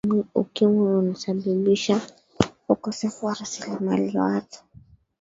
ukimwi unasababisha ukosefu wa rasilimali watu